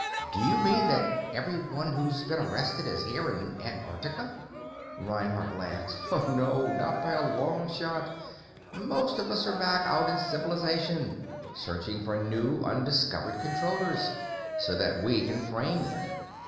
"Do you mean that everyone who's been arrested is here, in Antarctica?" Reinhardt laughed. "No, not by a long shot. Most of us are back out in civilization, searching for new, undiscovered Controllers, so that we can frame them.